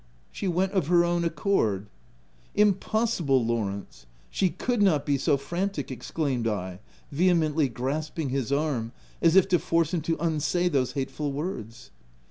" She went of her own accord.' 5 u Impossible, Lawrence !! She could not be so frantic !" exclaimed I, vehemently grasping his arm, as if to force him to unsay those hateful words.